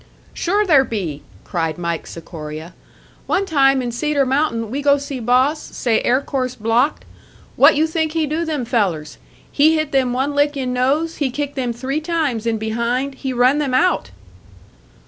"Sure there be!" cried Mike Sikoria. "One time in Cedar Mountain we go see boss, say air course blocked. What you think he do them fellers? He hit them one lick in nose, he kick them three times in behind, he run them out!"